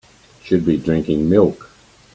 Should be drinking milk.